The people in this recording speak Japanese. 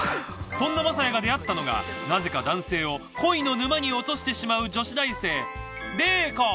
そんな雅也が出会ったのがなぜか男性を恋の沼に落としてしまう女子大生怜子。